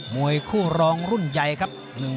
มวยคู่รองรุ่นใหญ่ครับ